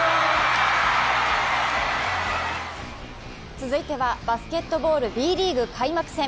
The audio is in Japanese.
続いてはバスケットボールＢリーグ開幕戦。